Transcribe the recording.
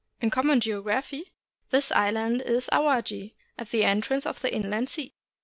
In common geography, this island is Awaji, at the entrance of the Inland Sea.